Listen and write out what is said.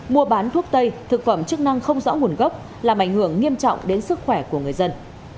mua bán thuốc tây thực phẩm chức năng không rõ nguồn gốc làm ảnh hưởng nghiêm trọng đến sức khỏe của người dân